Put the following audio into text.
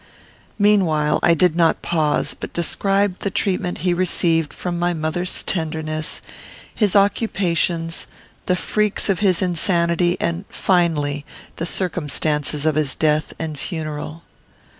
Meanwhile, I did not pause, but described the treatment he received from my mother's tenderness, his occupations, the freaks of his insanity, and, finally, the circumstances of his death and funeral.